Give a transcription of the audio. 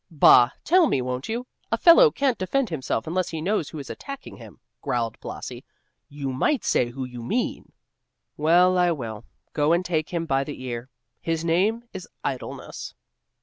"Bah! tell me, won't you? A fellow can't defend himself unless he knows who is attacking him," growled Blasi. "You might say who you mean." "Well, I will. Go and take him by the ear. His name is Idleness!"